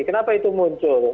kenapa itu muncul